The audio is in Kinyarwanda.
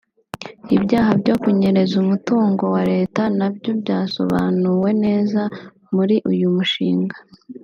Ibyaha byo kunyereza umutungo wa Leta nabyo byasobanuwe neza muri uyu mushinga